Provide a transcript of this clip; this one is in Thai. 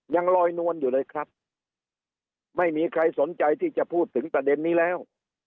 ยังลอยนวลอยู่เลยครับไม่มีใครสนใจที่จะพูดถึงประเด็นนี้แล้ว